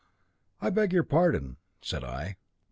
'I beg your pardon,' said I.